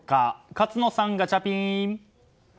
勝野さん、ガチャピン！